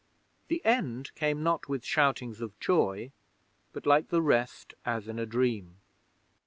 'The end came not with shoutings of joy, but, like the rest, as in a dream.